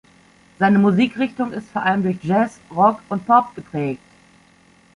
Seine Musikrichtung ist vor allem durch Jazz, Rock und Pop geprägt.